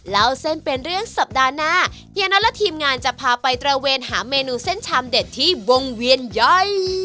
เล่าเส้นเป็นเรื่องสัปดาห์หน้าเฮียน็อตและทีมงานจะพาไปตระเวนหาเมนูเส้นชามเด็ดที่วงเวียนย่อย